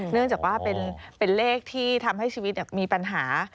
เนื่องจากว่าเป็นเลขที่ทำให้ชีวิตมีปัญหา